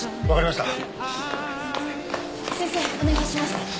わかりました。